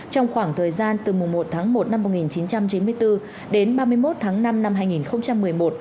trong khoảng thời gian từ mùng một tháng một năm một nghìn chín trăm chín mươi bốn đến ba mươi một tháng năm năm hai nghìn một mươi một